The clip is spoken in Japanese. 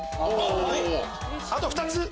あと２つ。